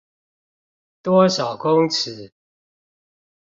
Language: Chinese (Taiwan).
多少公尺